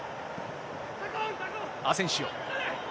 アセンシオ。